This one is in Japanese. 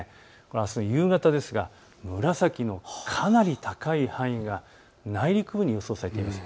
あすの夕方ですが紫のかなり高い範囲が内陸部に予想されています。